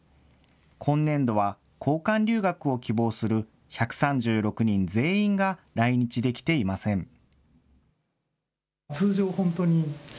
今年度は、交換留学を希望する１３６人全員が来日できていません。